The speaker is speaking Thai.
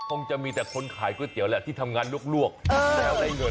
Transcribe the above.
คงจะมีแต่คนขายก๋วยเตี๋ยวแหละที่ทำงานลวกแล้วได้เงิน